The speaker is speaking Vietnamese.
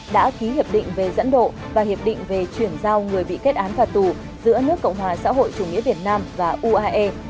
đã ký hiệp định về dẫn độ và hiệp định về chuyển giao người bị kết án và tù giữa nước cộng hòa xã hội chủ nghĩa việt nam và uae